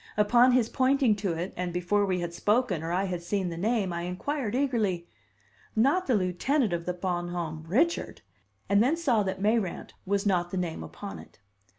Upon his pointing to it, and before we had spoken or I had seen the name, I inquired eagerly: "Not the lieutenant of the Bon Homme Richard?" and then saw that Mayrant was not the name upon it.